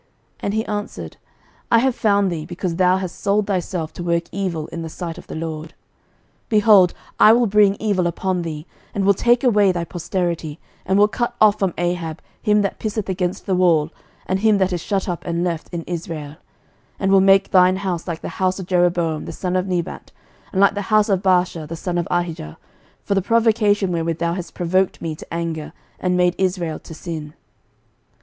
And he answered, I have found thee: because thou hast sold thyself to work evil in the sight of the LORD. 11:021:021 Behold, I will bring evil upon thee, and will take away thy posterity, and will cut off from Ahab him that pisseth against the wall, and him that is shut up and left in Israel, 11:021:022 And will make thine house like the house of Jeroboam the son of Nebat, and like the house of Baasha the son of Ahijah, for the provocation wherewith thou hast provoked me to anger, and made Israel to sin.